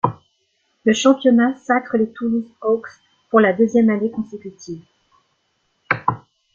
Le championnat sacre les Toulouse Hawks pour la deuxième année consécutive.